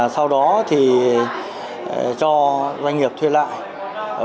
sau đó cho doanh nghiệp thuê lại